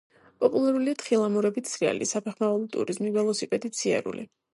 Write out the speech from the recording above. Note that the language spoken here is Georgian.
პოპულარულია თხილამურებით სრიალი, საფეხმავლო ტურიზმი, ველოსიპედით სიარული.